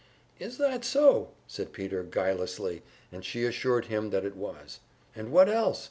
"Is that so?" said Peter, guilelessly, and she assured him that it was. "And what else?"